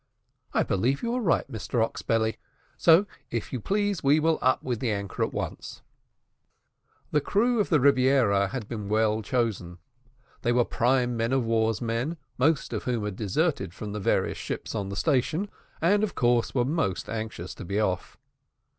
"I believe you are right, Mr Oxbelly, so if you please we will up with the anchor at once." The crew of the Rebiera had been well chosen; they were prime men of war's men, most of whom had deserted from the various ships on the station, and, of course, were most anxious to be off.